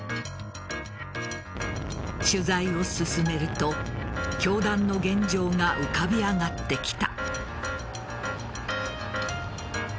取材を進めると教団の現状が浮かび上がってきた。